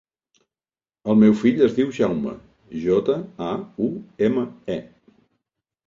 El meu fill es diu Jaume: jota, a, u, ema, e.